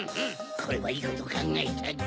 これはいいことかんがえたぞ。